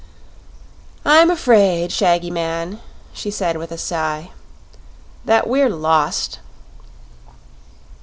"I'm 'fraid, Shaggy Man," she said, with a sigh, "that we're lost!"